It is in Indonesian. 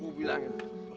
bu bilang ya